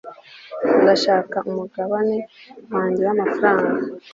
ndashaka umugabane wanjye w'amafaranga